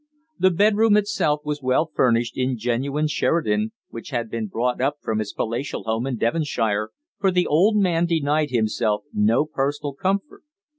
The bedroom itself was well furnished in genuine Sheraton, which he had brought up from his palatial home in Devonshire, for the old man denied himself no personal comfort.